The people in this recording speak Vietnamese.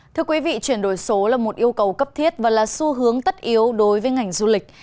thưa quý vị chuyển đổi số là một yêu cầu cấp thiết và là xu hướng tất yếu đối với ngành du lịch